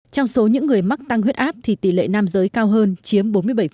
trong số những người mắc tăng huyết áp thì tỷ lệ nam giới cao hơn chiếm bốn mươi bảy